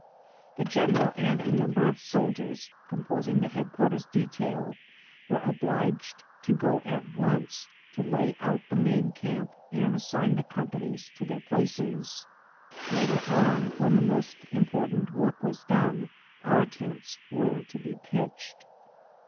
The gen eral and a number of soldiers, composing the head quarters detail, were obliged to go at once to lay out 18 BOOTS AND SADDLES. the main camp and assign the companies to their places. Later on, when the most important work was done, our tents were to be pitched.